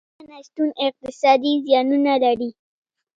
• د برېښنا نه شتون اقتصادي زیانونه لري.